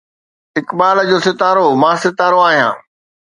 اقبال جو ستارو، مان ستارو آهيان